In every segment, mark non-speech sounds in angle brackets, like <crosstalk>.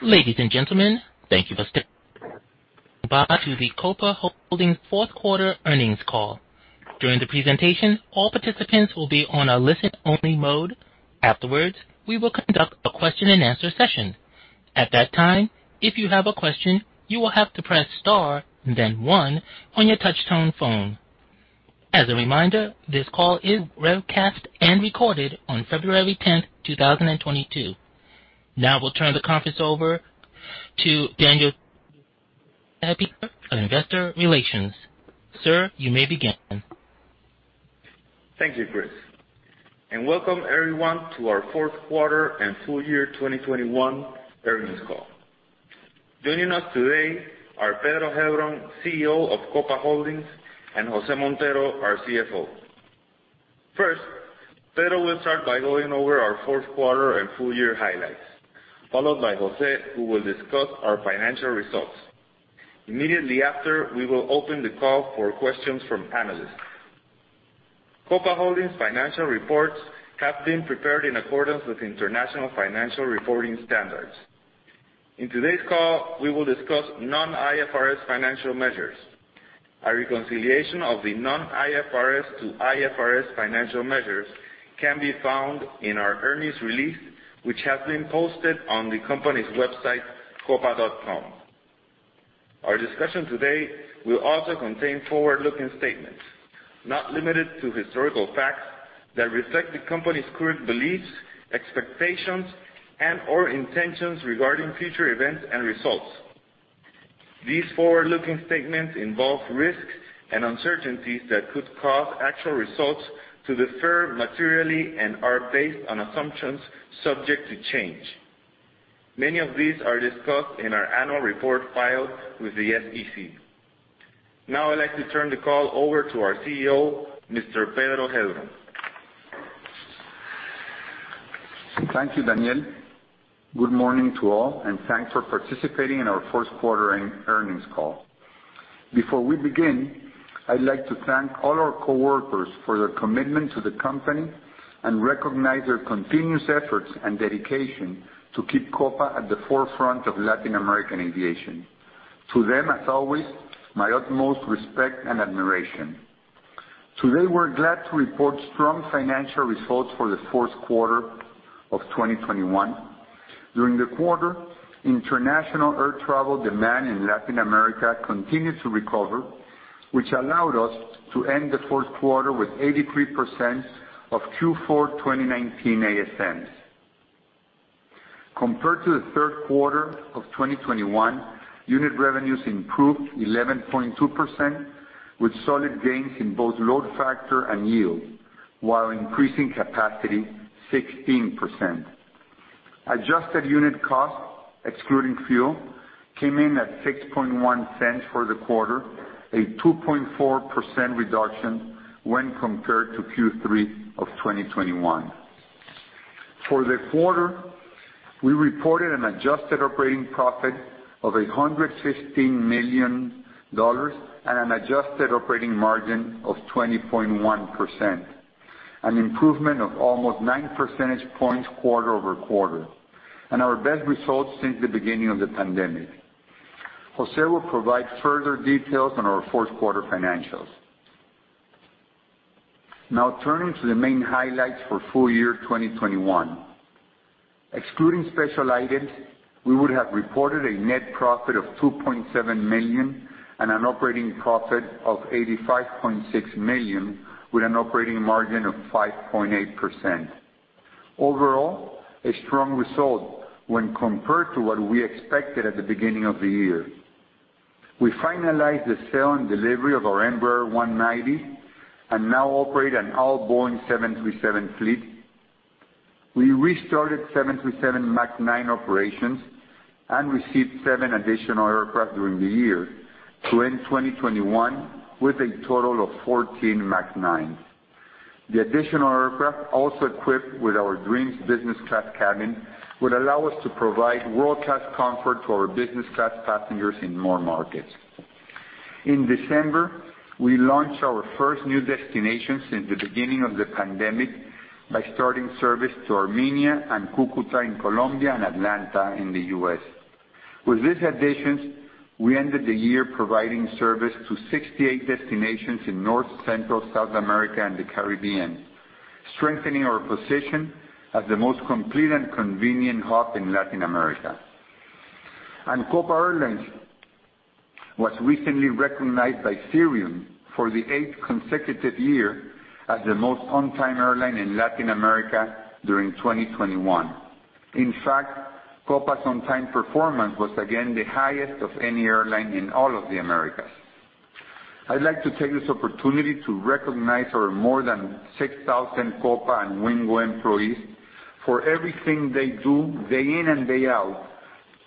Ladies and gentlemen, thank you for sticking by to the Copa Holdings fourth quarter earnings call. During the presentation, all participants will be on a listen-only mode. Afterwards, we will conduct a question-and-answer session. At that time, if you have a question, you will have to press star then one on your touchtone phone. As a reminder, this call is webcast and recorded on February 10th, 2022. Now we'll turn the conference over to Daniel of Investor Relations. Sir, you may begin. Thank you, Chris, and welcome everyone to our fourth quarter and full year 2021 earnings call. Joining us today are Pedro Heilbron, CEO of Copa Holdings, and Jose Montero, our CFO. First, Pedro will start by going over our fourth quarter and full year highlights, followed by Jose, who will discuss our financial results. Immediately after, we will open the call for questions from analysts. Copa Holdings financial reports have been prepared in accordance with International Financial Reporting Standards. In today's call, we will discuss non-IFRS financial measures. A reconciliation of the non-IFRS to IFRS financial measures can be found in our earnings release, which has been posted on the company's website, copa.com. Our discussion today will also contain forward-looking statements, not limited to historical facts, that reflect the company's current beliefs, expectations, and/or intentions regarding future events and results. These forward-looking statements involve risks and uncertainties that could cause actual results to differ materially and are based on assumptions subject to change. Many of these are discussed in our annual report filed with the SEC. Now I'd like to turn the call over to our CEO, Mr. Pedro Heilbron. Thank you, Daniel. Good morning to all, and thanks for participating in our fourth quarter earnings call. Before we begin, I'd like to thank all our coworkers for their commitment to the company and recognize their continuous efforts and dedication to keep Copa at the forefront of Latin American aviation. To them, as always, my utmost respect and admiration. Today, we're glad to report strong financial results for the fourth quarter of 2021. During the quarter, international air travel demand in Latin America continued to recover, which allowed us to end the fourth quarter with 83% of Q4 2019 ASMs. Compared to the third quarter of 2021, unit revenues improved 11.2% with solid gains in both load factor and yield while increasing capacity 16%. Adjusted unit cost, excluding fuel, came in at $0.061 for the quarter, a 2.4% reduction when compared to Q3 of 2021. For the quarter, we reported an adjusted operating profit of $115 million and an adjusted operating margin of 20.1%, an improvement of almost 9 percentage points quarter-over-quarter, and our best results since the beginning of the pandemic. Jose will provide further details on our fourth quarter financials. Now turning to the main highlights for full year 2021. Excluding special items, we would have reported a net profit of $2.7 million and an operating profit of $85.6 million with an operating margin of 5.8%. Overall, a strong result when compared to what we expected at the beginning of the year. We finalized the sale and delivery of our Embraer 190 and now operate an all-Boeing 737 fleet. We restarted 737 MAX 9 operations and received seven additional aircraft during the year to end 2021 with a total of 14 MAX 9s. The additional aircraft, also equipped with our Dreams business-class cabin, would allow us to provide world-class comfort to our business-class passengers in more markets. In December, we launched our first new destination since the beginning of the pandemic by starting service to Armenia and Cúcuta in Colombia and Atlanta in the U.S. With these additions, we ended the year providing service to 68 destinations in North, Central, South America, and the Caribbean, strengthening our position as the most complete and convenient hub in Latin America. Copa Airlines was recently recognized by Cirium for the eighth consecutive year as the most on-time airline in Latin America during 2021. In fact, Copa's on-time performance was again the highest of any airline in all of the Americas. I'd like to take this opportunity to recognize our more than 6,000 Copa and Wingo employees for everything they do day in and day out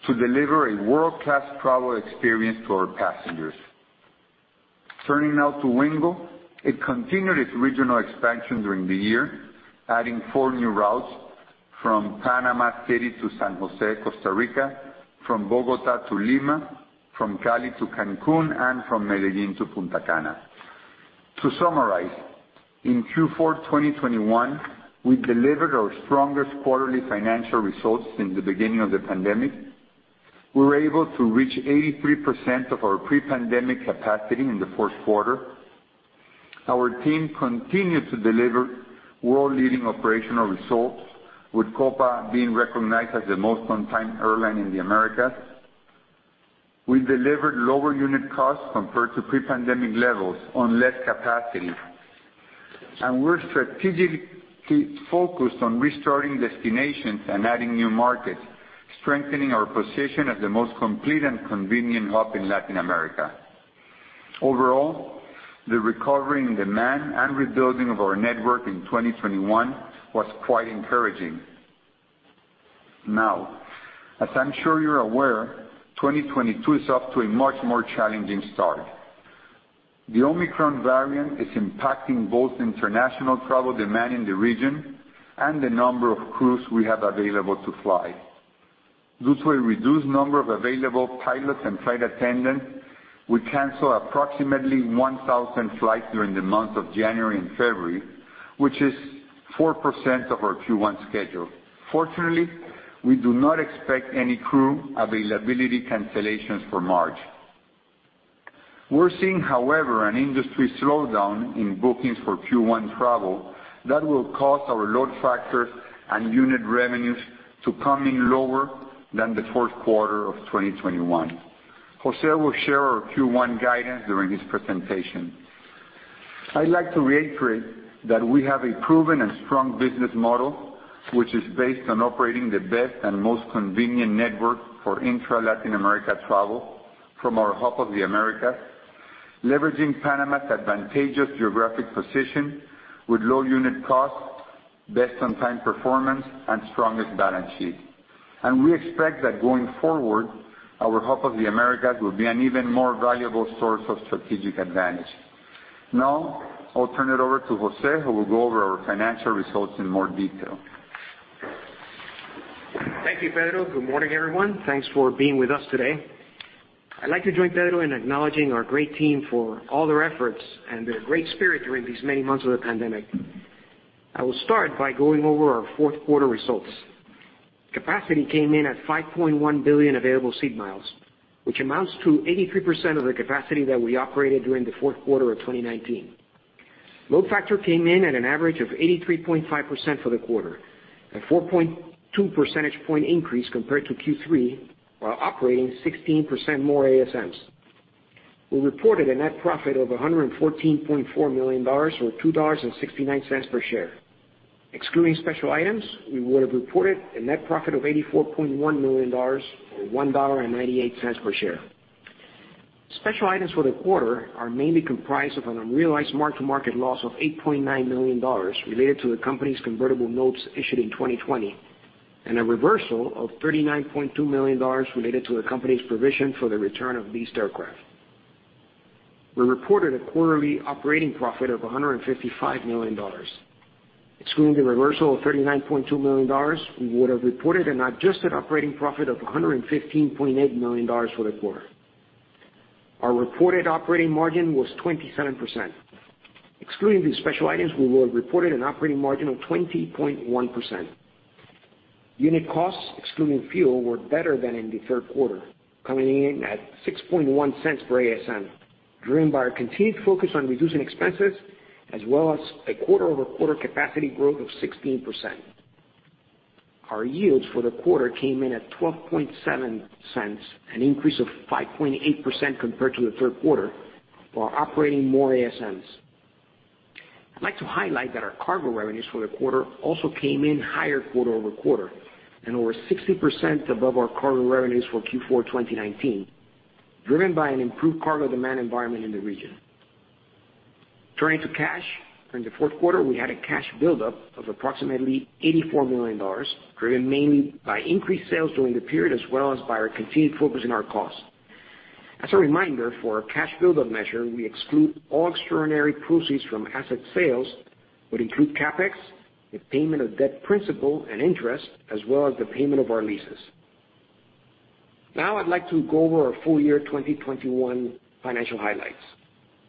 to deliver a world-class travel experience to our passengers. Turning now to Wingo. It continued its regional expansion during the year, adding four new routes from Panama City to San Jose, Costa Rica, from Bogotá to Lima, from Cali to Cancún, and from Medellín to Punta Cana. To summarize, in Q4 2021, we delivered our strongest quarterly financial results since the beginning of the pandemic. We were able to reach 83% of our pre-pandemic capacity in the fourth quarter. Our team continued to deliver world-leading operational results, with Copa being recognized as the most on-time airline in the Americas. We delivered lower unit costs compared to pre-pandemic levels on less capacity. We're strategically focused on restarting destinations and adding new markets, strengthening our position as the most complete and convenient hub in Latin America. Overall, the recovery in demand and rebuilding of our network in 2021 was quite encouraging. Now, as I'm sure you're aware, 2022 is off to a much more challenging start. The Omicron variant is impacting both international travel demand in the region and the number of crews we have available to fly. Due to a reduced number of available pilots and flight attendants, we canceled approximately 1,000 flights during the months of January and February, which is 4% of our Q1 schedule. Fortunately, we do not expect any crew availability cancellations for March. We're seeing, however, an industry slowdown in bookings for Q1 travel that will cause our load factors and unit revenues to come in lower than the fourth quarter of 2021. Jose will share our Q1 guidance during his presentation. I'd like to reiterate that we have a proven and strong business model, which is based on operating the best and most convenient network for intra-Latin America travel from our Hub of the Americas, leveraging Panama's advantageous geographic position with low unit costs, best on-time performance, and strongest balance sheet. We expect that going forward, our Hub of the Americas will be an even more valuable source of strategic advantage. Now, I'll turn it over to Jose, who will go over our financial results in more detail. Thank you, Pedro. Good morning, everyone. Thanks for being with us today. I'd like to join Pedro in acknowledging our great team for all their efforts and their great spirit during these many months of the pandemic. I will start by going over our fourth quarter results. Capacity came in at 5.1 billion available seat miles, which amounts to 83% of the capacity that we operated during the fourth quarter of 2019. Load factor came in at an average of 83.5% for the quarter, a 4.2 percentage point increase compared to Q3, while operating 16% more ASMs. We reported a net profit of $114.4 million or $2.69 per share. Excluding special items, we would have reported a net profit of $84.1 million or $1.98 per share. Special items for the quarter are mainly comprised of an unrealized mark-to-market loss of $8.9 million related to the company's convertible notes issued in 2020, and a reversal of $39.2 million related to the company's provision for the return of leased aircraft. We reported a quarterly operating profit of $155 million. Excluding the reversal of $39.2 million, we would have reported an adjusted operating profit of $115.8 million for the quarter. Our reported operating margin was 27%. Excluding these special items, we would have reported an operating margin of 20.1%. Unit costs, excluding fuel, were better than in the third quarter, coming in at $0.061 per ASM, driven by our continued focus on reducing expenses as well as a quarter-over-quarter capacity growth of 16%. Our yields for the quarter came in at $0.127, an increase of 5.8% compared to the third quarter, while operating more ASMs. I'd like to highlight that our cargo revenues for the quarter also came in higher quarter-over-quarter and over 60% above our cargo revenues for Q4 2019, driven by an improved cargo demand environment in the region. Turning to cash. During the fourth quarter, we had a cash buildup of approximately $84 million, driven mainly by increased sales during the period as well as by our continued focus on our cost. As a reminder, for our cash buildup measure, we exclude all extraordinary proceeds from asset sales. We would include CapEx, the payment of debt principal and interest, as well as the payment of our leases. Now I'd like to go over our full year 2021 financial highlights.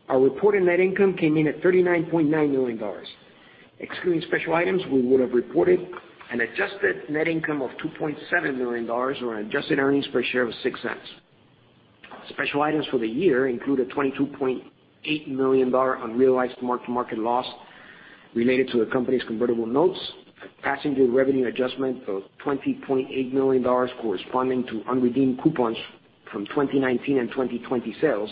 Our reported net income came in at $39.9 million. Excluding special items, we would have reported an adjusted net income of $2.7 million or an adjusted earnings per share of $0.06. Special items for the year include a $22.8 million unrealized mark-to-market loss related to the company's convertible notes, a passenger revenue adjustment of $20.8 million corresponding to unredeemed coupons from 2019 and 2020 sales,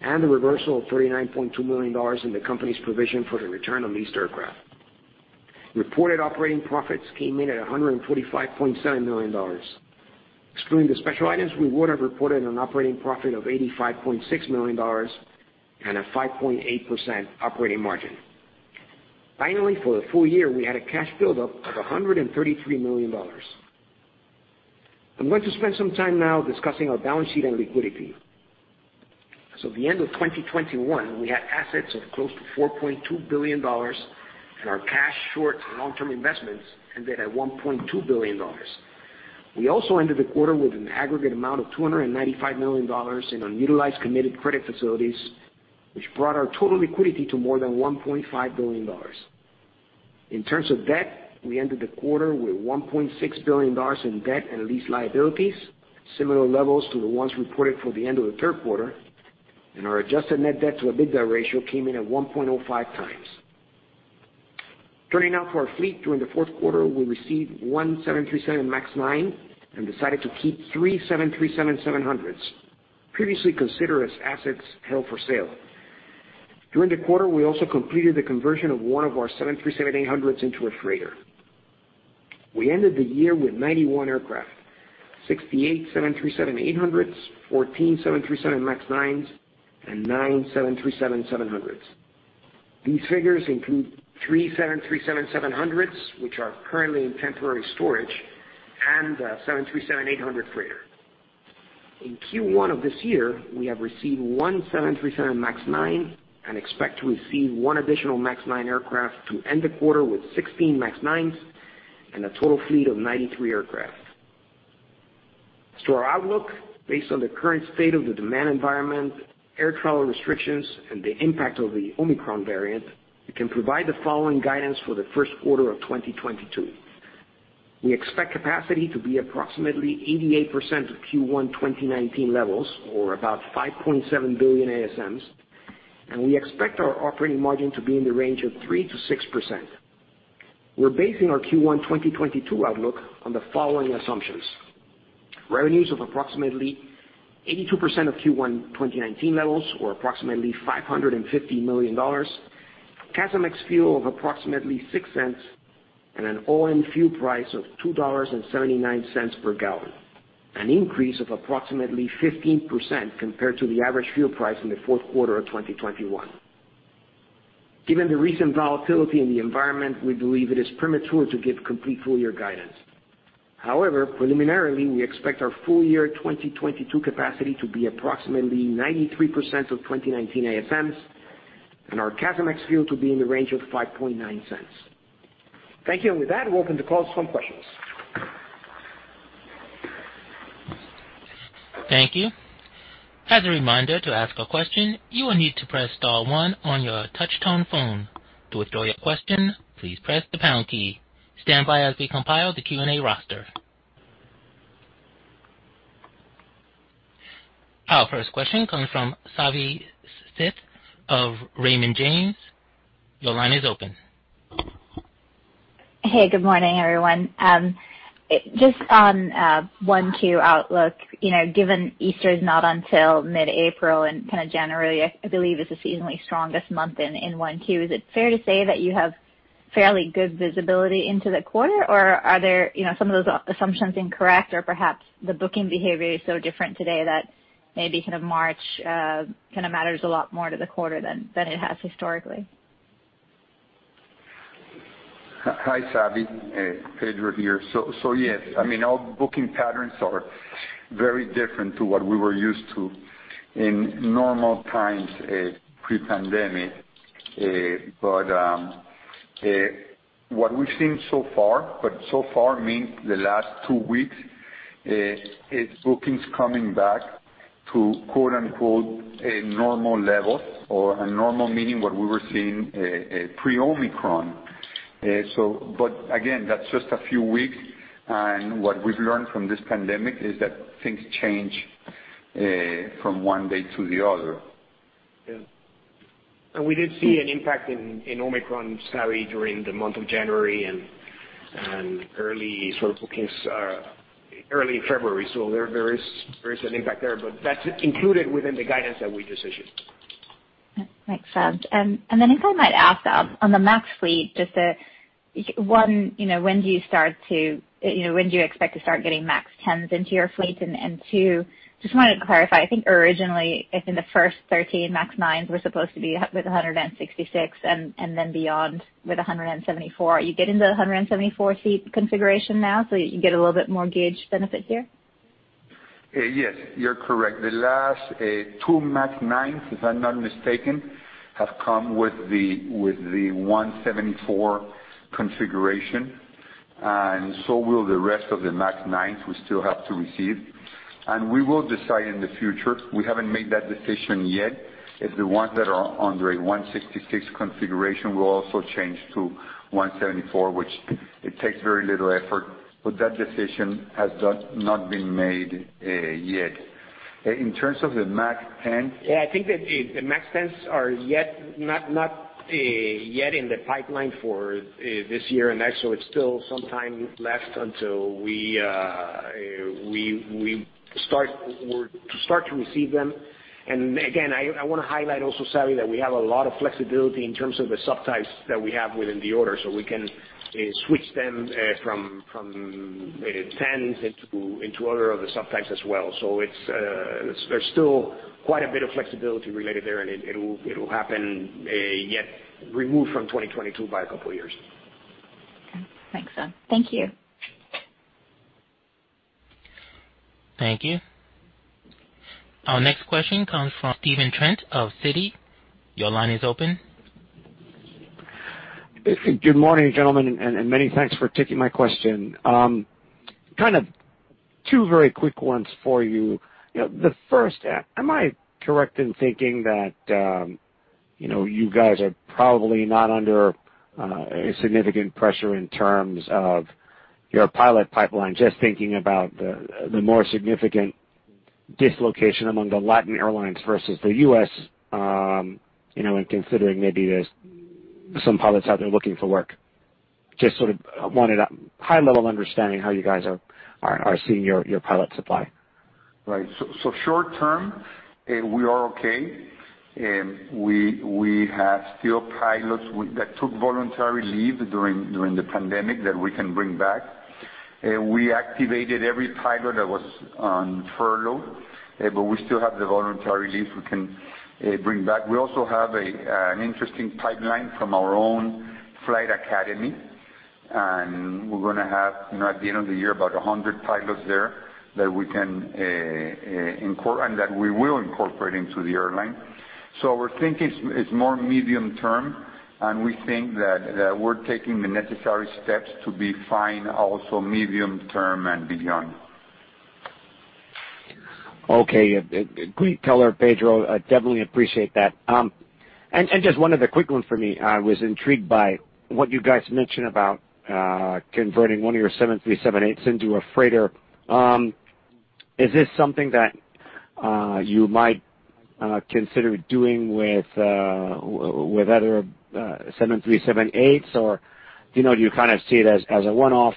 and a reversal of $39.2 million in the company's provision for the return of leased aircraft. Reported operating profits came in at $145.7 million. Excluding the special items, we would have reported an operating profit of $85.6 million and a 5.8% operating margin. Finally, for the full year, we had a cash buildup of $133 million. I'm going to spend some time now discussing our balance sheet and liquidity. At the end of 2021, we had assets of close to $4.2 billion, and our cash, short-term, and long-term investments ended at $1.2 billion. We also ended the quarter with an aggregate amount of $295 million in unutilized committed credit facilities, which brought our total liquidity to more than $1.5 billion. In terms of debt, we ended the quarter with $1.6 billion in debt and lease liabilities, similar levels to the ones reported for the end of the third quarter, and our adjusted net debt to EBITDA ratio came in at 1.05x. Turning now to our fleet. During the fourth quarter, we received one 737 MAX 9 and decided to keep three 737-700s, previously considered as assets held for sale. During the quarter, we also completed the conversion of one of our 737-800s into a freighter. We ended the year with 91 aircraft, 68 737-800s, 14 737 MAX 9s, and nine 737-700s. These figures include three 737-700s, which are currently in temporary storage, and a 737-800 freighter. In Q1 of this year we have received one 737 MAX 9 and expect to receive one additional MAX 9 aircraft to end the quarter with 16 MAX 9s and a total fleet of 93 aircraft. As to our outlook, based on the current state of the demand environment, air travel restrictions, and the impact of the Omicron variant, we can provide the following guidance for the first quarter of 2022. We expect capacity to be approximately 88% of Q1 2019 levels or about 5.7 billion ASMs, and we expect our operating margin to be in the range of 3%-6%. We're basing our Q1 2022 outlook on the following assumptions: revenues of approximately 82% of Q1 2019 levels, or approximately $550 million, CASM ex-fuel of approximately $0.06 and an all-in fuel price of $2.79 per gallon, an increase of approximately 15% compared to the average fuel price in the fourth quarter of 2021. Given the recent volatility in the environment, we believe it is premature to give complete full year guidance. However, preliminarily, we expect our full year 2022 capacity to be approximately 93% of 2019 ASMs and our CASM ex-fuel to be in the range of $0.059. Thank you. With that, we're open for questions. Thank you. As a reminder, to ask a question, you will need to press star one on your touchtone phone. To withdraw your question, please press the pound key. Stand by as we compile the Q&A roster. Our first question comes from Savi Syth of Raymond James. Your line is open. Hey, good morning, everyone. Just on 1Q outlook, you know, given Easter is not until mid-April, and kind of January, I believe, is the seasonally strongest month in 1Q. Is it fair to say that you have fairly good visibility into the quarter, or are there, you know, some of those assumptions incorrect or perhaps the booking behavior is so different today that maybe kind of March kinda matters a lot more to the quarter than it has historically? Hi, Savi. Pedro here. Yes, I mean, all booking patterns are very different to what we were used to in normal times, pre-pandemic. What we've seen so far, but so far means the last two weeks, is bookings coming back to quote-unquote, a normal level or a normal meaning what we were seeing, pre-Omicron. Again, that's just a few weeks. What we've learned from this pandemic is that things change, from one day to the other. Yeah. We did see an impact in Omicron, Savi, during the month of January and early sort of bookings early February. There is an impact there, but that's included within the guidance that we just issued. Makes sense. Then if I might ask, on the MAX fleet, just one, you know, when do you expect to start getting MAX 10s into your fleet? Two, just wanted to clarify, I think originally in the first 13 MAX 9s were supposed to be with 166 and then beyond with 174. Are you getting the 174 seat configuration now, so you get a little bit more gauge benefit here? Yes, you're correct. The last two MAX 9s, if I'm not mistaken, have come with the 174 configuration, and so will the rest of the MAX 9s we still have to receive. We will decide in the future. We haven't made that decision yet. If the ones that are under a 166 configuration will also change to 174, which it takes very little effort, but that decision has not been made yet. In terms of the MAX 10- Yeah, I think that the MAX 10s are not yet in the pipeline for this year and next. It's still some time left until we start to receive them. Again, I wanna highlight also, Savi, that we have a lot of flexibility in terms of the subtypes that we have within the order. We can switch them from tens into other of the subtypes as well. There's still quite a bit of flexibility related there. It will happen yet removed from 2022 by a couple of years. Okay. Makes sense. Thank you. Thank you. Our next question comes from Stephen Trent of Citi. Your line is open. Good morning, gentlemen, and many thanks for taking my question. Kind of two very quick ones for you. You know, the first, am I correct in thinking that you know, you guys are probably not under a significant pressure in terms of your pilot pipeline? Just thinking about the more significant dislocation among the Latin airlines versus the U.S., you know, and considering maybe there's some pilots out there looking for work. Just sort of wanted a high-level understanding how you guys are seeing your pilot supply. Right. Short term, we are okay. We still have pilots that took voluntary leave during the pandemic that we can bring back. We activated every pilot that was on furlough, but we still have the voluntary leave we can bring back. We also have an interesting pipeline from our own flight academy, and we're gonna have, you know, at the end of the year, about 100 pilots there that we can and that we will incorporate into the airline. Our thinking is more medium term, and we think that we're taking the necessary steps to be fine also medium term and beyond. Okay. Great color, Pedro. I definitely appreciate that. And just one other quick one for me. I was intrigued by what you guys mentioned about converting one of your 737-800s into a freighter. Is this something that you might consider doing with other 737-800s? Or, you know, do you kind of see it as a one-off,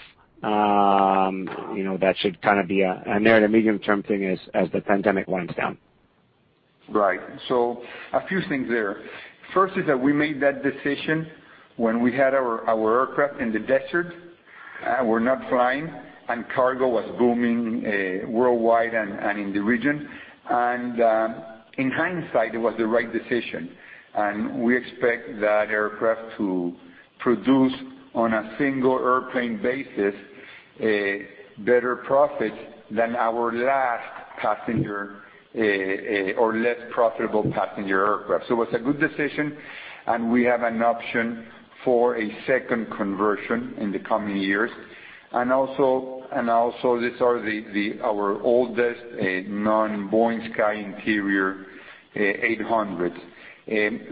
you know, that should kind of be a near- to medium-term thing as the pandemic winds down? Right. A few things there. First is that we made that decision when we had our aircraft in the desert, were not flying and cargo was booming worldwide and in the region. In hindsight, it was the right decision, and we expect that aircraft to produce on a single-airplane basis a better profit than our last passenger or less profitable passenger aircraft. It was a good decision, and we have an option for a second conversion in the coming years. These are our oldest non-Boeing Sky Interior 737-800s.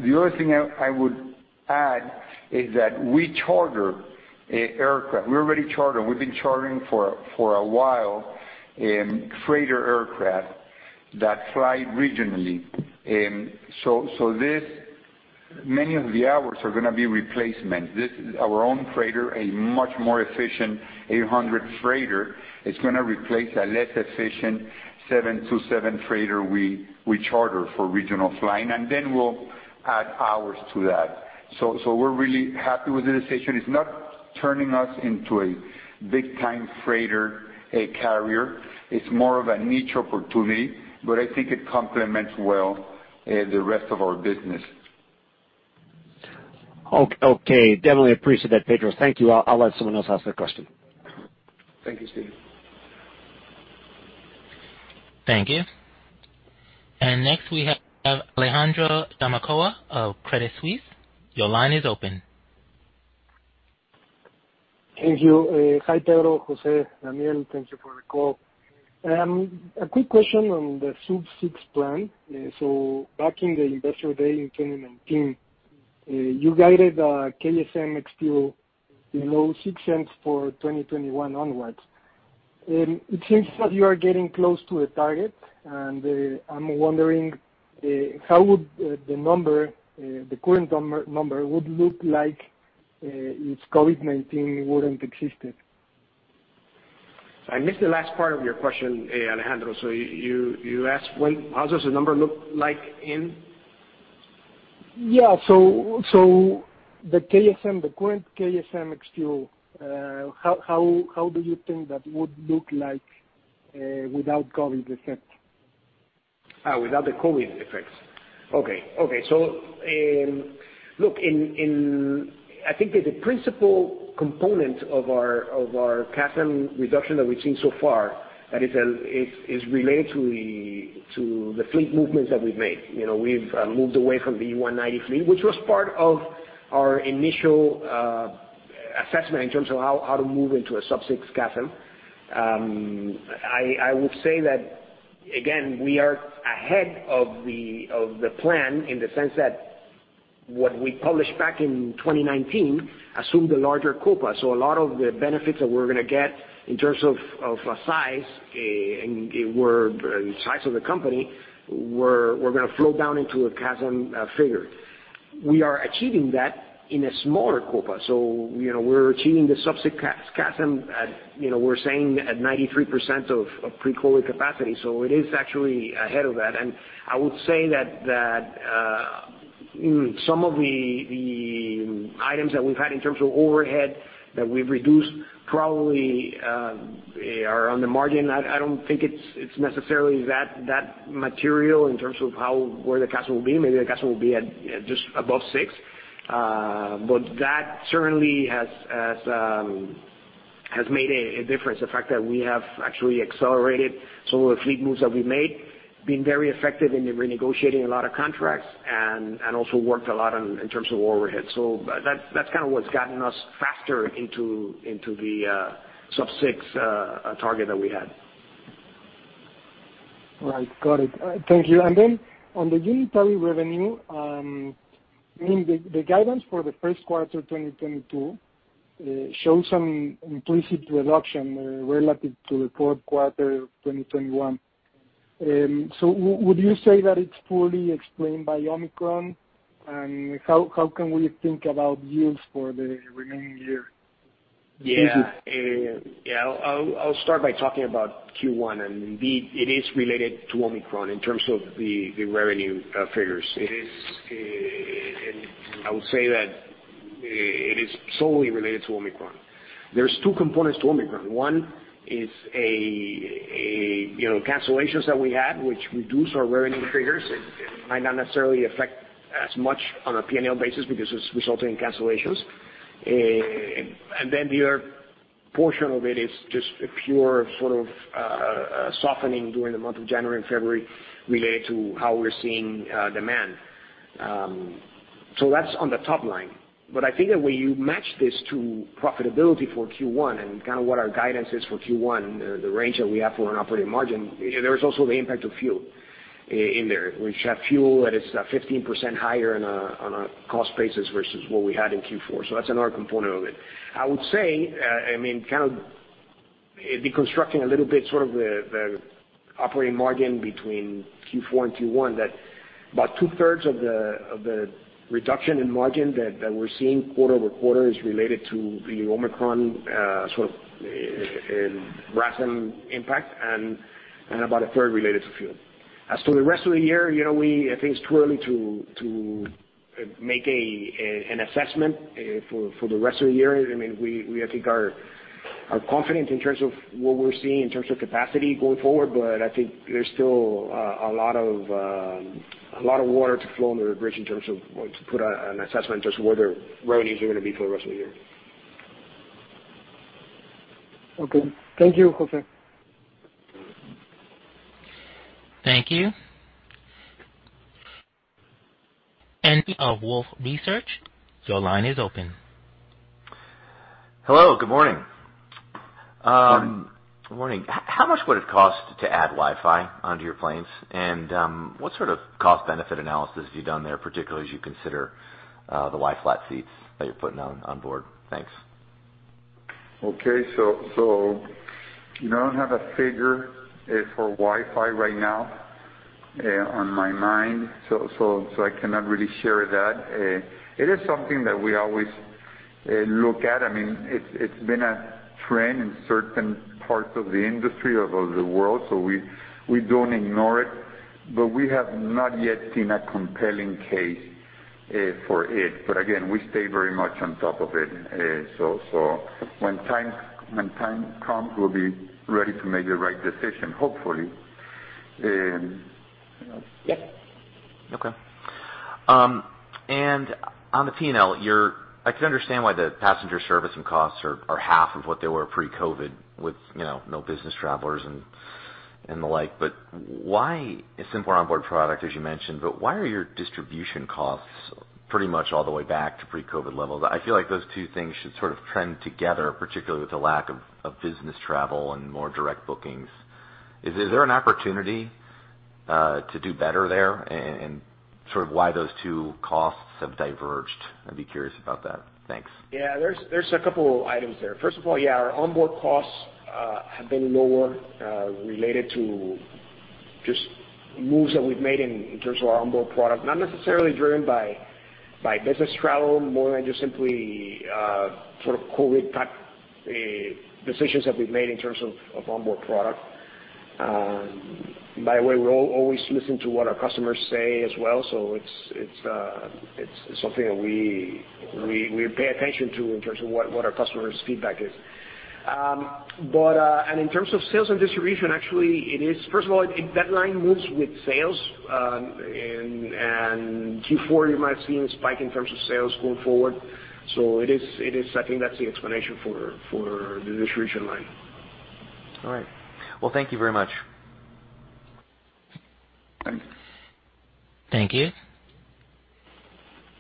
The other thing I would add is that we charter aircraft. We already charter. We've been chartering for a while freighter aircraft that fly regionally. Many of the hours are gonna be replacement. This is our own freighter, a much more efficient 737-800 freighter. It's gonna replace a less efficient 727 freighter we charter for regional flying. Then we'll add hours to that. We're really happy with the decision. It's not turning us into a big-time freighter carrier. It's more of a niche opportunity, but I think it complements well the rest of our business. Okay. Definitely appreciate that, Pedro. Thank you. I'll let someone else ask the question. Thank you, Stephen. Thank you. Next, we have Alejandro Zamacona of Credit Suisse. Your line is open. Thank you. Hi, Pedro, Jose, Daniel. Thank you for the call. A quick question on the sub-six plan. Back in the Investor Day in 2019, you guided CASM ex-fuel below $0.06 for 2021 onwards. It seems that you are getting close to the target, and I'm wondering how the number, the current number would look like if COVID-19 wouldn't existed? I missed the last part of your question, Alejandro. You asked how does the number look like in? The current CASM ex-fuel, how do you think that would look like without COVID effect? Without the COVID effects. Look, in I think that the principal component of our CASM reduction that we've seen so far that is related to the fleet movements that we've made. You know, we've moved away from the 190 fleet, which was part of our initial assessment in terms of how to move into a sub-six CASM. I would say that, again, we are ahead of the plan in the sense that what we published back in 2019 assumed a larger Copa. A lot of the benefits that we're gonna get in terms of size of the company were gonna flow down into a CASM figure. We are achieving that in a smaller Copa. You know, we're achieving the sub-six CASM at, you know, we're saying at 93% of pre-COVID capacity. It is actually ahead of that. I would say that some of the items that we've had in terms of overhead that we've reduced probably are on the margin. I don't think it's necessarily that material in terms of where the CASM will be. Maybe the CASM will be at just above six. But that certainly has made a difference. The fact that we have actually accelerated some of the fleet moves that we made, been very effective in the renegotiating a lot of contracts and also worked a lot on, in terms of overhead. That, that's kind of what's gotten us faster into the sub-six target that we had. Right. Got it. Thank you. On the unit revenue, I mean, the guidance for the first quarter 2022, would you say that it's fully explained by Omicron? How can we think about yields for the remaining year? Yeah. I'll start by talking about Q1 and indeed it is related to Omicron in terms of the revenue figures. It is. I would say that it is solely related to Omicron. There's two components to Omicron. One is you know cancellations that we had, which reduced our revenue figures. It might not necessarily affect as much on a P&L basis because it's resulting in cancellations. Then the other portion of it is just a pure sort of softening during the month of January and February related to how we're seeing demand. That's on the top line. I think that when you match this to profitability for Q1 and kind of what our guidance is for Q1, the range that we have for an operating margin, there is also the impact of fuel in there. We have fuel that is 15% higher on a cost basis versus what we had in Q4. That's another component of it. I would say, I mean, kind of deconstructing a little bit sort of the operating margin between Q4 and Q1, that about 2/3s of the reduction in margin that we're seeing quarter-over-quarter is related to the Omicron sort of RASM impact and about 1/3 related to fuel. As to the rest of the year, you know, I think it's too early to make an assessment for the rest of the year. I mean, we I think are confident in terms of what we're seeing in terms of capacity going forward. I think there's still a lot of water to flow under the bridge in terms of, or to put an assessment as to whether revenues are going to be for the rest of the year. Okay. Thank you, Jose. Thank you. <audio distortion> of Wolfe Research, your line is open. Hello, good morning. Morning. Morning. How much would it cost to add Wi-Fi onto your planes? What sort of cost-benefit analysis have you done there, particularly as you consider the lie-flat seats that you're putting on board? Thanks. Okay. I don't have a figure for Wi-Fi right now on my mind, so I cannot really share that. It is something that we always look at. I mean, it's been a trend in certain parts of the industry, of the world, so we don't ignore it. We have not yet seen a compelling case for it. Again, we stay very much on top of it. When time comes, we'll be ready to make the right decision, hopefully. Yes. Okay. On the P&L, I can understand why the passenger service and costs are half of what they were pre-COVID with, you know, no business travelers and the like. Why a simpler onboard product, as you mentioned, but why are your distribution costs pretty much all the way back to pre-COVID levels? I feel like those two things should sort of trend together, particularly with the lack of business travel and more direct bookings. Is there an opportunity to do better there, and sort of why those two costs have diverged? I'd be curious about that. Thanks. Yeah, there's a couple items there. First of all, yeah, our onboard costs have been lower related to just moves that we've made in terms of our onboard product, not necessarily driven by business travel, more than just simply sort of COVID-tack decisions that we've made in terms of onboard product. By the way, we're always listening to what our customers say as well. It's something that we pay attention to in terms of what our customers' feedback is. In terms of sales and distribution, actually, first of all, that line moves with sales. Q4, you might have seen a spike in terms of sales going forward. It is. I think that's the explanation for the distribution line. All right. Well, thank you very much. Thanks. Thank you.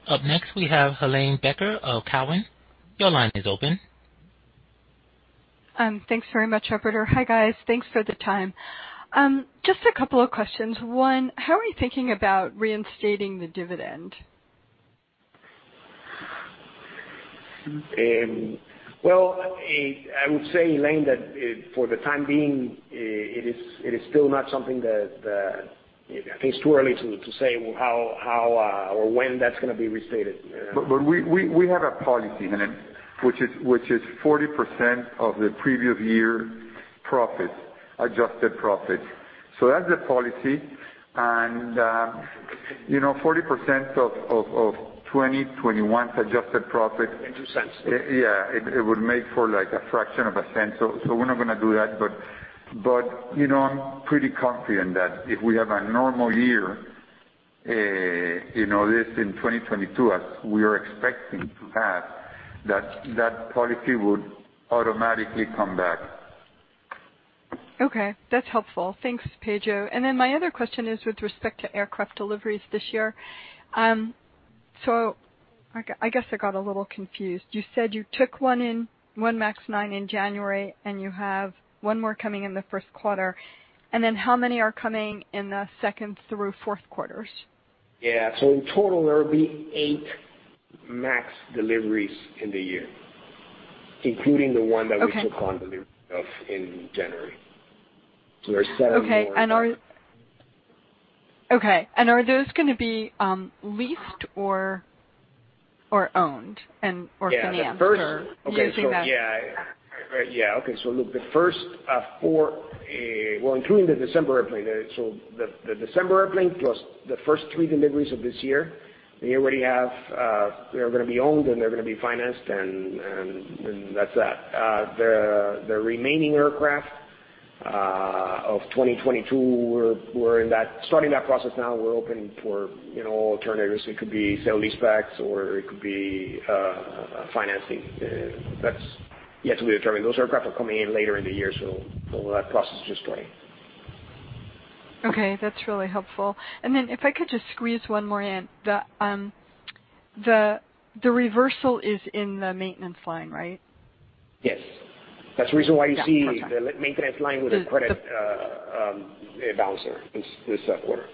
Up next, we have Helane Becker of Cowen. Your line is open. Thanks very much, operator. Hi, guys. Thanks for the time. Just a couple of questions. One, how are you thinking about reinstating the dividend? Well, I would say, Helane, that for the time being, it is still not something that I think it's too early to say how or when that's gonna be restated. We have a policy, Helane, which is 40% of the previous year profits, adjusted profits. That's the policy. You know, 40% of 2021's adjusted profit- Makes no sense. Yeah. It would make for like a fraction of a cent. We're not gonna do that. You know, I'm pretty confident that if we have a normal year. You know, this in 2022, as we are expecting to have, that policy would automatically come back. Okay. That's helpful. Thanks, Pedro. My other question is with respect to aircraft deliveries this year. So I guess I got a little confused. You said you took one in, one MAX 9 in January, and you have one more coming in the first quarter. How many are coming in the second through fourth quarters? Yeah. In total, there will be eight MAX deliveries in the year, including the one- Okay. that we took on delivery of in January. There are seven more. Are those gonna be leased or owned and or financed? Yeah. Or using the- Look, the first four, well, including the December airplane. The December airplane plus the first three deliveries of this year, we already have. They're gonna be owned, and they're gonna be financed, and that's that. The remaining aircraft of 2022, we're starting that process now. We're open for, you know, alternatives. It could be sale-leasebacks, or it could be financing. That's yet to be determined. Those aircraft are coming in later in the year, so that process is just starting. Okay. That's really helpful. If I could just squeeze one more in. The reversal is in the maintenance line, right? Yes. That's the reason why you see. Yeah. Okay. The maintenance line with a credit balance this quarter.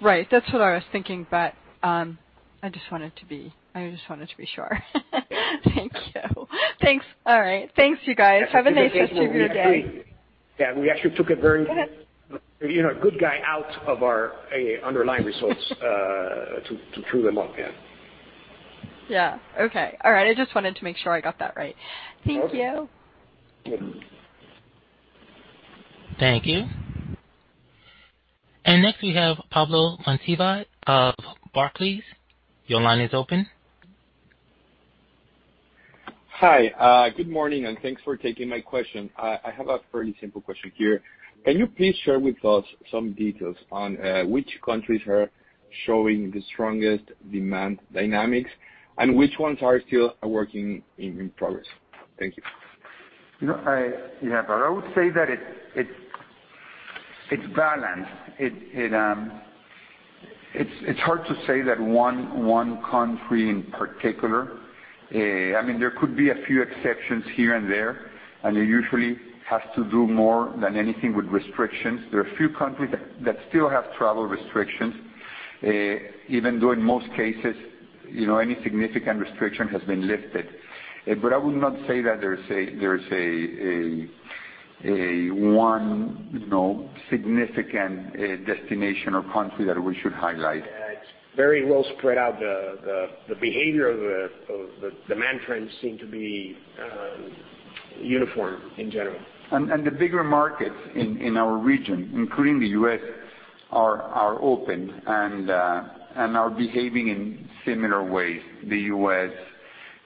Right. That's what I was thinking, but I just wanted to be sure. Thank you. Thanks. All right. Thanks, you guys. Have a nice rest of your day. Yeah. We actually took a very, you know, good guy out of our underlying results to true them up. Yeah. Yeah. Okay. All right. I just wanted to make sure I got that right. Thank you. Okay. Thank you. Next we have Pablo Monsivais of Barclays. Your line is open. Hi. Good morning, and thanks for taking my question. I have a very simple question here. Can you please share with us some details on which countries are showing the strongest demand dynamics and which ones are still working in progress? Thank you. You know. Yeah. I would say that it's balanced. It's hard to say that one country in particular. I mean, there could be a few exceptions here and there, and it usually has to do more than anything with restrictions. There are a few countries that still have travel restrictions, even though in most cases, you know, any significant restriction has been lifted. I would not say that there's one, you know, significant destination or country that we should highlight. It's very well spread out. The behavior of the demand trends seem to be uniform in general. The bigger markets in our region, including the U.S., are open and are behaving in similar ways. The U.S.,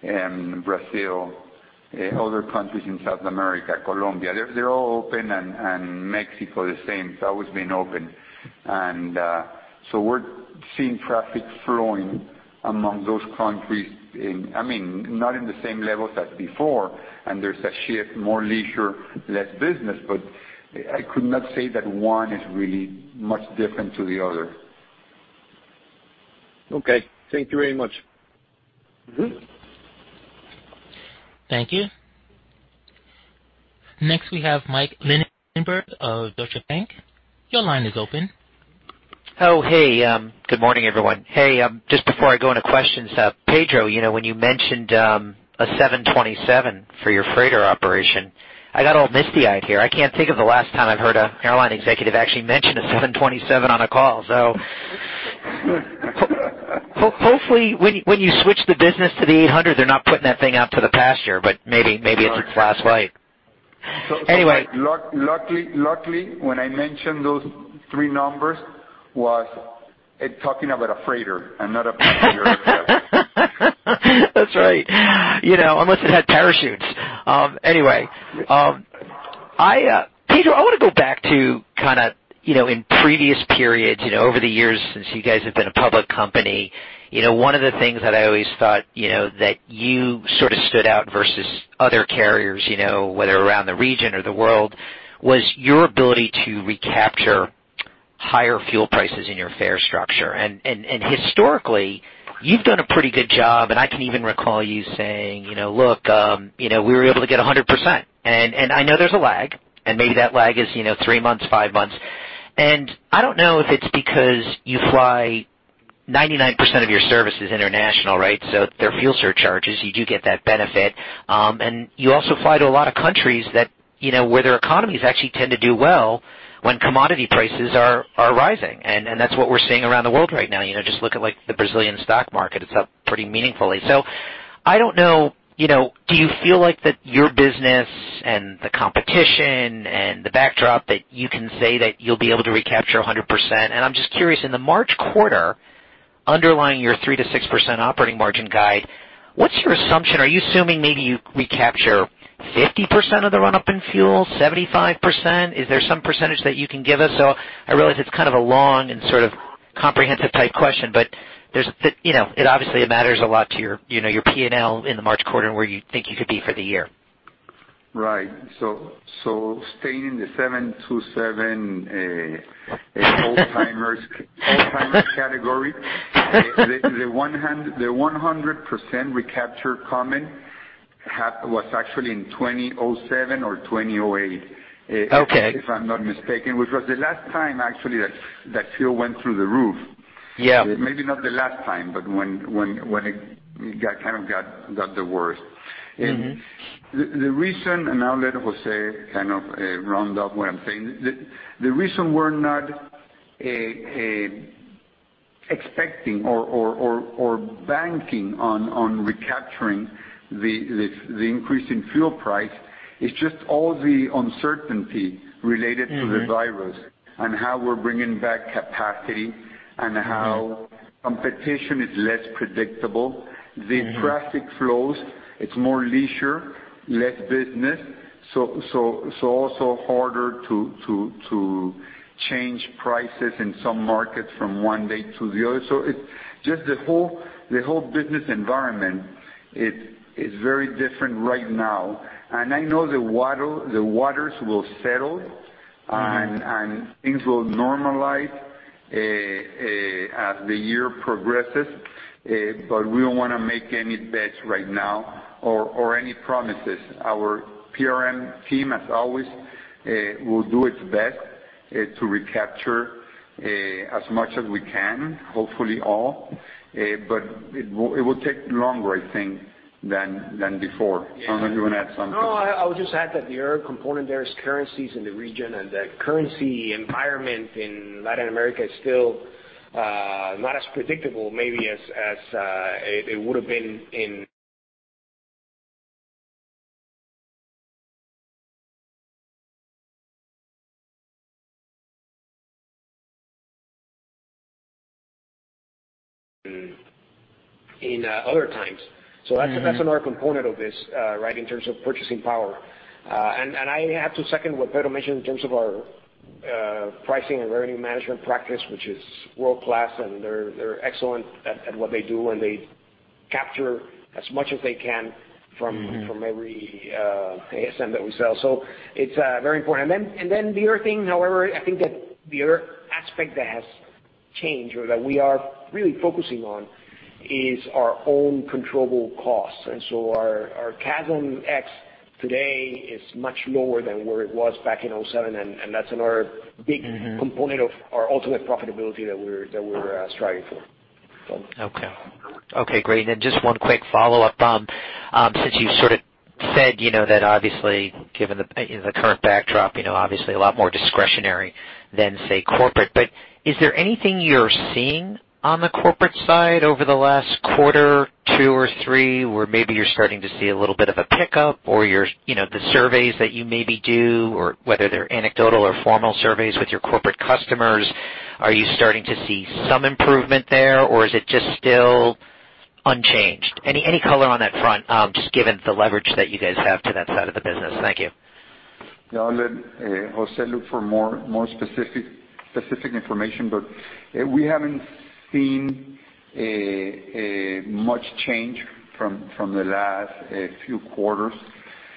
Brazil, other countries in South America, Colombia, they're all open and Mexico the same. It's always been open. So we're seeing traffic flowing among those countries. I mean, not in the same levels as before, and there's a shift, more leisure, less business, but I could not say that one is really much different to the other. Okay. Thank you very much. Mm-hmm. Thank you. Next, we have Michael Linenberg of Deutsche Bank. Your line is open. Oh, hey. Good morning, everyone. Hey, just before I go into questions, Pedro, you know, when you mentioned a 727 for your freighter operation, I got all misty-eyed here. I can't think of the last time I've heard an airline executive actually mention a 727 on a call, so. Hopefully, when you switch the business to the 800, they're not putting that thing out to the pasture, but maybe it's its last flight. Anyway. Luckily, when I mentioned those three numbers, I was talking about a freighter and not a passenger aircraft. That's right. You know, unless it had parachutes. Anyway, Pedro, I wanna go back to kinda, you know, in previous periods, you know, over the years since you guys have been a public company, you know, one of the things that I always thought, you know, that you sorta stood out versus other carriers, you know, whether around the region or the world, was your ability to recapture higher fuel prices in your fare structure. Historically, you've done a pretty good job, and I can even recall you saying, you know, "Look, you know, we were able to get 100%." I know there's a lag, and maybe that lag is, you know, three months, five months. I don't know if it's because you fly 99% of your service is international, right? There are fuel surcharges, you do get that benefit. You also fly to a lot of countries that, you know, where their economies actually tend to do well when commodity prices are rising. That's what we're seeing around the world right now. You know, just look at, like, the Brazilian stock market. It's up pretty meaningfully. I don't know, you know, do you feel like that your business and the competition and the backdrop that you can say that you'll be able to recapture 100%? I'm just curious, in the March quarter underlying your 3%-6% operating margin guide, what's your assumption? Are you assuming maybe you recapture 50% of the run-up in fuel, 75%? Is there some percentage that you can give us? I realize it's kind of a long and sort of comprehensive type question, but it, you know, it obviously matters a lot to your, you know, your P&L in the March quarter and where you think you could be for the year. Staying in the 727 old-timers category, the 100% recapture comment was actually in 2007 or 2008. Okay. If I'm not mistaken, which was the last time actually that fuel went through the roof? Yeah. Maybe not the last time, but when it got the worst. Mm-hmm. The reason, and now let Jose kind of round up what I'm saying. The reason we're not expecting or banking on recapturing the increase in fuel price is just all the uncertainty related- Mm-hmm. to the virus and how we're bringing back capacity and how competition is less predictable. Mm-hmm. The traffic flows, it's more leisure, less business, so also harder to change prices in some markets from one day to the other. It's just the whole business environment is very different right now. I know the waters will settle. Mm-hmm. Things will normalize as the year progresses, but we don't wanna make any bets right now or any promises. Our PRM team, as always, will do its best to recapture as much as we can, hopefully all, but it will take longer, I think, than before. I don't know if you wanna add something. No, I would just add that the other component there is currencies in the region, and the currency environment in Latin America is still not as predictable maybe as it would've been in other times. Mm-hmm. That's another component of this, right, in terms of purchasing power. I have to second what Pedro mentioned in terms of our pricing and revenue management practice, which is world-class, and they're excellent at what they do, and they capture as much as they can from- Mm-hmm. From every ASM that we sell. It's very important. Then the other thing, however, I think that the other aspect that has changed or that we are really focusing on is our own controllable costs. Our CASM ex today is much lower than where it was back in 2007, and that's another big Mm-hmm. component of our ultimate profitability that we're striving for. Okay. Okay, great. Just one quick follow-up. Since you sort of said, you know, that obviously given the, you know, the current backdrop, you know, obviously a lot more discretionary than, say, corporate. But is there anything you're seeing on the corporate side over the last quarter, two or three, where maybe you're starting to see a little bit of a pickup? Or you're, you know, the surveys that you maybe do or whether they're anecdotal or formal surveys with your corporate customers, are you starting to see some improvement there, or is it just still unchanged? Any color on that front, just given the leverage that you guys have to that side of the business? Thank you. No, I'll let Jose look for more specific information, but we haven't seen much change from the last few quarters.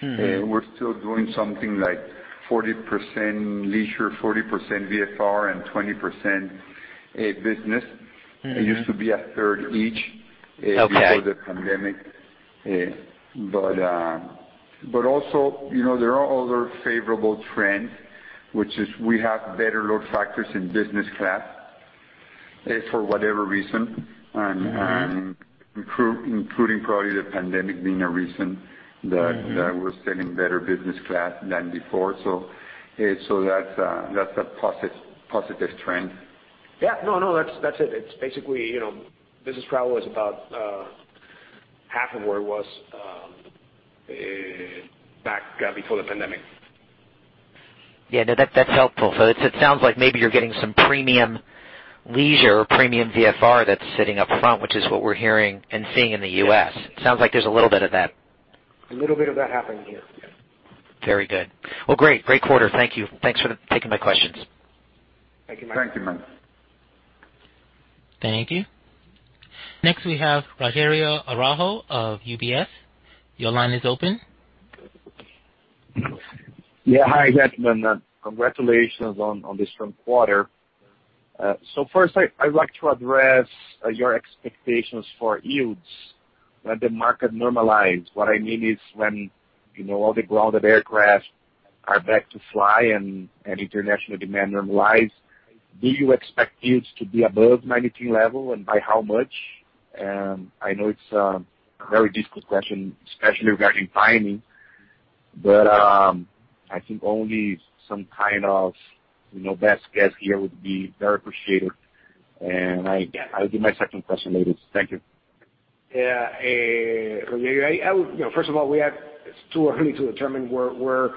Mm-hmm. We're still doing something like 40% leisure, 40% VFR, and 20% business. Mm-hmm. It used to be 1/3 each. Okay. Before the pandemic. Also, you know, there are other favorable trends, which is we have better load factors in business class, for whatever reason. Mm-hmm. including probably the pandemic being a reason that Mm-hmm. that we're selling better business class than before. That's a positive trend. Yeah. No, that's it. It's basically, you know, business travel is about half of where it was back before the pandemic. Yeah, no, that's helpful. It sounds like maybe you're getting some premium leisure or premium VFR that's sitting up front, which is what we're hearing and seeing in the U.S. Sounds like there's a little bit of that. A little bit of that happening here. Yeah. Very good. Well, great. Great quarter. Thank you. Thanks for taking my questions. Thank you, Mike. Thank you, Mike. Thank you. Next, we have Rogerio Araujo of UBS. Your line is open. Yeah. Hi, gentlemen. Congratulations on the strong quarter. First, I'd like to address your expectations for yields when the market normalize. What I mean is when, you know, all the grounded aircraft are back to fly and international demand normalize, do you expect yields to be above 2019 level and by how much? I know it's a very difficult question, especially regarding timing, but I think only some kind of, you know, best guess here would be very appreciated. I'll give my second question later. Thank you. Yeah, you know, first of all, it's too early to determine where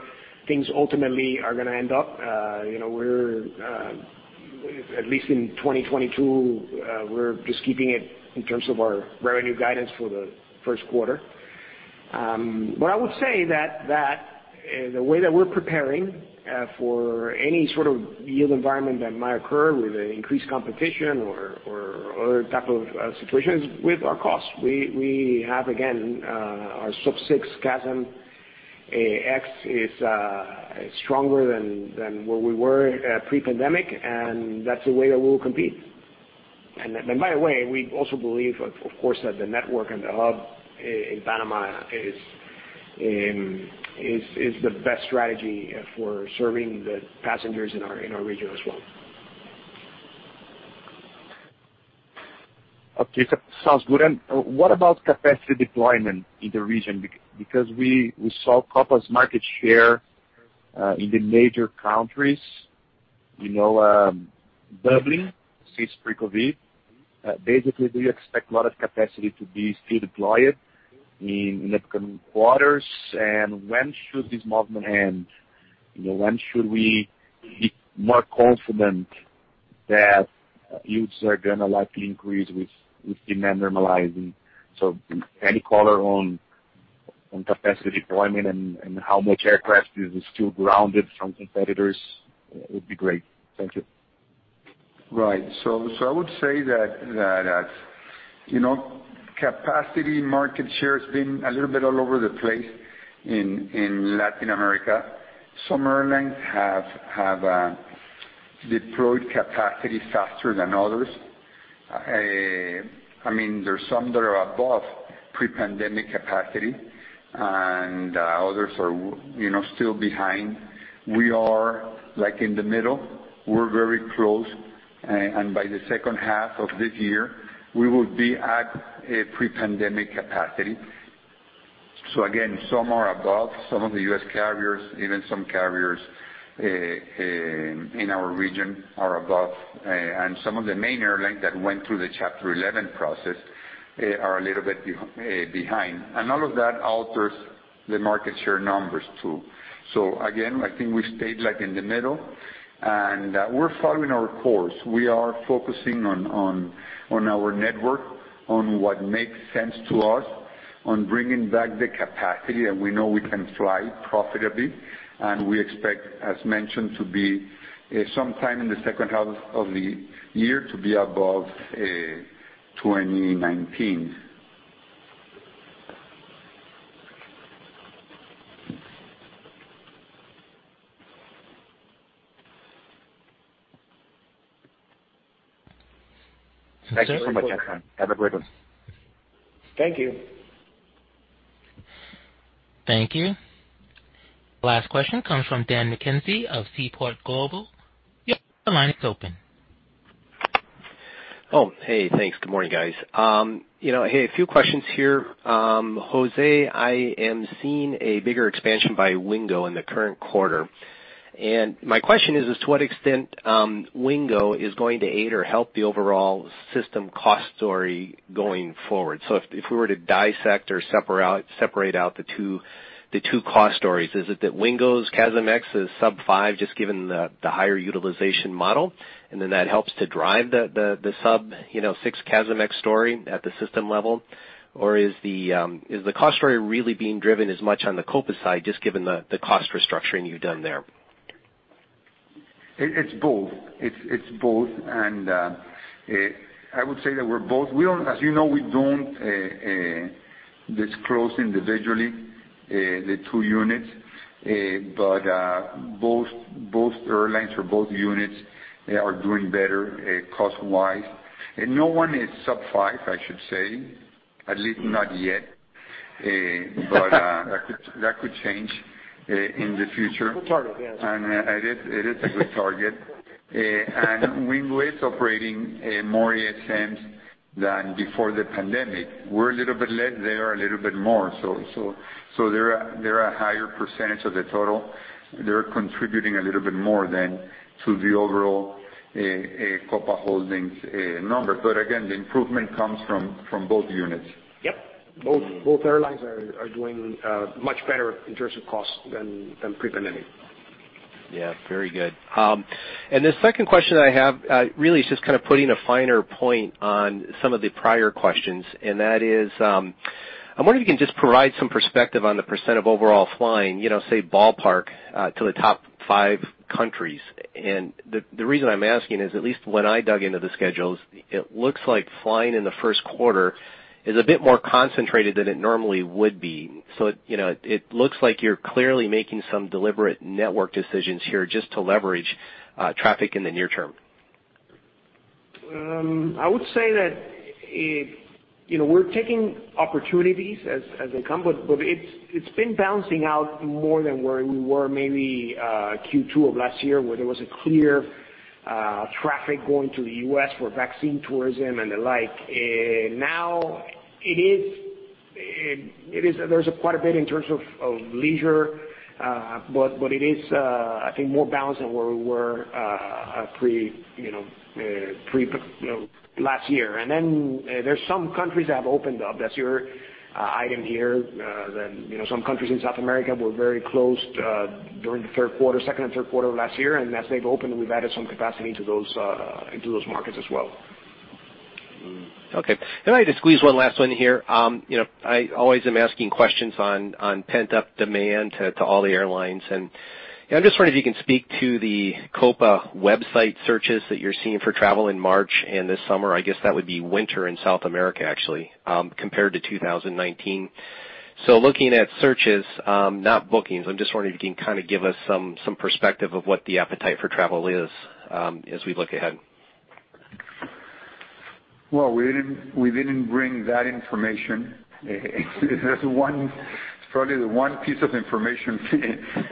things ultimately are gonna end up. You know, we're at least in 2022, we're just keeping it in terms of our revenue guidance for the first quarter. What I would say that the way that we're preparing for any sort of yield environment that might occur with increased competition or other type of situations with our costs. We have, again, our sub-six CASM ex-fuel is stronger than where we were at pre-pandemic, and that's the way that we'll compete. Then by the way, we also believe of course that the network and the hub in Panama is the best strategy for serving the passengers in our region as well. Okay. Sounds good. What about capacity deployment in the region? Because we saw Copa's market share in the major countries, you know, doubling since pre-COVID. Basically, do you expect a lot of capacity to be still deployed in the upcoming quarters, and when should this movement end? You know, when should we be more confident that yields are gonna likely increase with demand normalizing? Any color on capacity deployment and how much aircraft is still grounded from competitors would be great. Thank you. Right. I would say that you know, capacity market share has been a little bit all over the place in Latin America. Some airlines have deployed capacity faster than others. I mean, there's some that are above pre-pandemic capacity and others are, you know, still behind. We are like in the middle. We're very close. By the second half of this year, we will be at a pre-pandemic capacity. Again, some are above, some of the U.S. carriers, even some carriers in our region are above, and some of the main airlines that went through the Chapter 11 process are a little bit behind. All of that alters the market share numbers too. Again, I think we stayed like in the middle, and we're following our course. We are focusing on our network, on what makes sense to us, on bringing back the capacity, and we know we can fly profitably. We expect, as mentioned, to be sometime in the second half of the year to be above 2019. Thank you so much. Have a great one. Thank you. Thank you. Last question comes from Daniel McKenzie of Seaport Global. Your line is open. Oh, hey. Thanks. Good morning, guys. You know, hey, a few questions here. Jose, I am seeing a bigger expansion by Wingo in the current quarter. My question is to what extent Wingo is going to aid or help the overall system cost story going forward? If we were to dissect or separate out the two cost stories, is it that Wingo's CASM ex is sub-five just given the higher utilization model, and then that helps to drive the sub, you know, six CASM ex story at the system level? Or is the cost story really being driven as much on the Copa side, just given the cost restructuring you've done there? It's both. I would say that we're both. As you know, we don't disclose individually the two units. Both airlines or both units are doing better cost-wise. No one is sub-five, I should say, at least not yet. That could change in the future. Good target, yes. It is a good target. Wingo is operating more ASMs than before the pandemic. We're a little bit less, they are a little bit more. They're a higher percentage of the total. They're contributing a little bit more than to the overall Copa Holdings number. Again, the improvement comes from both units. Yep. Both airlines are doing much better in terms of cost than pre-pandemic. Yeah. Very good. The second question I have really is just kind of putting a finer point on some of the prior questions, and that is, I wonder if you can just provide some perspective on the percent of overall flying, you know, say ballpark, to the top five countries. The reason I'm asking is, at least when I dug into the schedules, it looks like flying in the first quarter is a bit more concentrated than it normally would be. You know, it looks like you're clearly making some deliberate network decisions here just to leverage traffic in the near term. I would say that, you know, we're taking opportunities as they come, but it's been balancing out more than where we were maybe Q2 of last year, where there was a clear traffic going to the U.S. for vaccine tourism and the like. Now it is, there's quite a bit in terms of leisure, but it is, I think, more balanced than where we were pre, you know, last year. Then there's some countries that have opened up. That's your item here, that you know, some countries in South America were very closed during the second and third quarter of last year. As they've opened, we've added some capacity into those markets as well. Okay. Can I just squeeze one last one here? You know, I always am asking questions on pent-up demand to all the airlines. I'm just wondering if you can speak to the Copa website searches that you're seeing for travel in March and this summer. I guess that would be winter in South America actually, compared to 2019. Looking at searches, not bookings, I'm just wondering if you can kind of give us some perspective of what the appetite for travel is, as we look ahead. Well, we didn't bring that information. That's one. Probably the one piece of information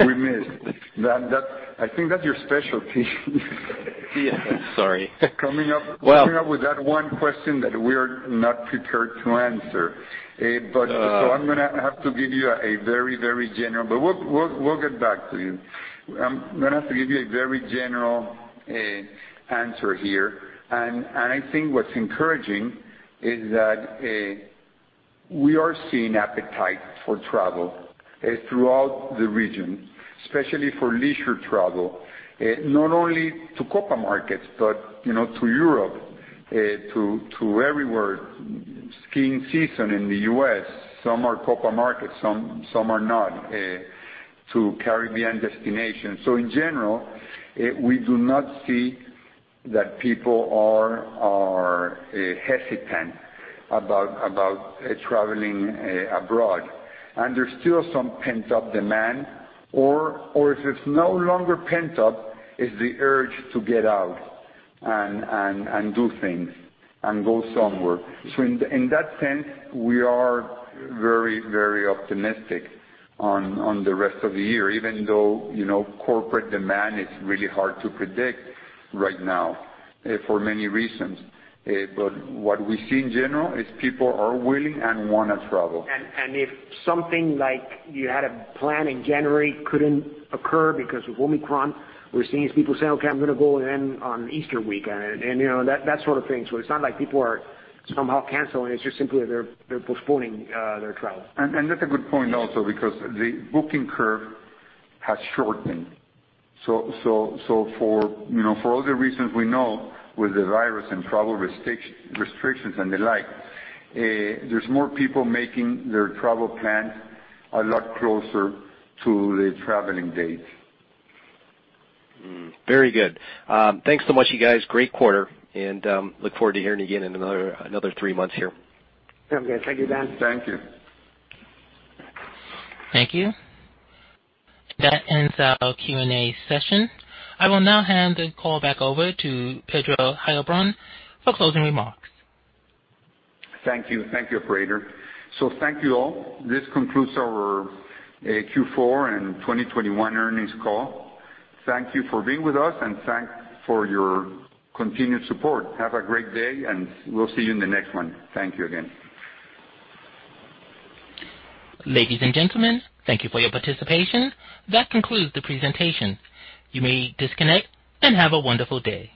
we missed. That. I think that's your specialty. Sorry. Coming up. Well- Coming up with that one question that we're not prepared to answer. We'll get back to you. I'm gonna have to give you a very general answer here. I think what's encouraging is that we are seeing appetite for travel throughout the region, especially for leisure travel, not only to Copa markets, but you know to Europe to everywhere. Skiing season in the U.S., some are Copa markets, some are not to Caribbean destinations. In general, we do not see that people are hesitant about traveling abroad. There's still some pent-up demand or if it's no longer pent up, it's the urge to get out and do things and go somewhere. In that sense, we are very, very optimistic on the rest of the year, even though, you know, corporate demand is really hard to predict right now, for many reasons. What we see in general is people are willing and wanna travel. If something like you had a plan in January couldn't occur because of Omicron, what we're seeing is people saying, "Okay, I'm gonna go then on Easter week." You know, that sort of thing. It's not like people are somehow canceling. It's just simply they're postponing their travel. That's a good point also because the booking curve has shortened. For, you know, for all the reasons we know with the virus and travel restrictions and the like, there's more people making their travel plans a lot closer to the traveling date. Very good. Thanks so much, you guys. Great quarter, and I look forward to hearing you again in another three months here. Sounds good. Thank you, Dan. Thank you. Thank you. That ends our Q&A session. I will now hand the call back over to Pedro Heilbron for closing remarks. Thank you. Thank you, operator. Thank you all. This concludes our Q4 2021 earnings call. Thank you for being with us, and thanks for your continued support. Have a great day, and we'll see you in the next one. Thank you again. Ladies and gentlemen, thank you for your participation. That concludes the presentation. You may disconnect and have a wonderful day.